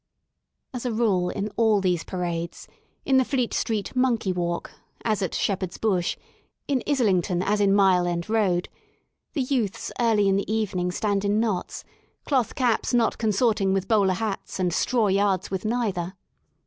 As a rule in all these parades, in the Fleet Street Monkey Walk" as at Shepherd's Bush; in Islington as in Mile End Roadj the youths early in the evening stand in knots, cloth caps not consorting with bowler hats and straw yards with neither.